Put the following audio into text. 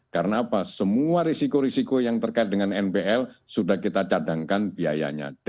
karena apa semua risiko risiko yang terkait dengan npl sudah kita cadangkan biayanya